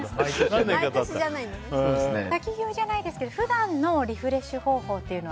滝行じゃないですけど普段のリフレッシュ方法は？